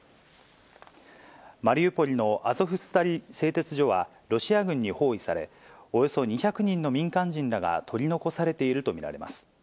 マリウポリのアゾフスタリ製鉄所は、ロシア軍に包囲され、およそ２００人の民間人らが取り残されていると見られます。